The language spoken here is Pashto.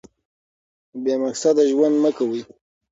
بې مقصده ژوند مه کوئ.